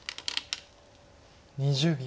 ２０秒。